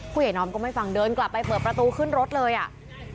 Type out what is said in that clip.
ผู้ใหญ่นอมก็ไม่ฟังเดินกลับไปเปิดประตูขึ้นรถเลยอ่ะ